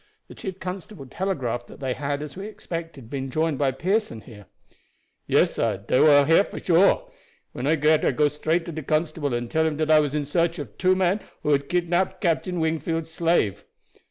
The chief constable telegraphed that they had, as we expected, been joined by Pearson here." "Yes, sah, dey war here for sure. When I get here I go straight to de constable and tell him dat I was in search of two men who had kidnaped Captain Wingfield's slave.